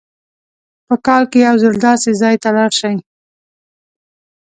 په کال کې یو ځل داسې ځای ته لاړ شئ.